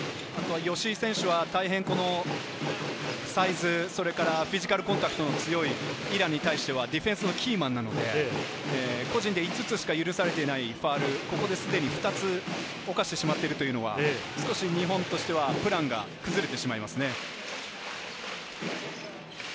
吉井選手は大変このサイズ、フィジカルコンタクトの強いイランに対してはディフェンスのキーマンなので、個人で５つしか許されていないファウルをすでに２つおかしてしまっているのは少し日本としては、プランが崩れてしまいますね。